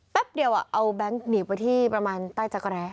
เดียวเอาแบงค์หนีไปที่ประมาณใต้จักรแร้